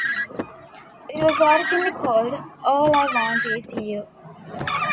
It was originally called "All I Want Is You".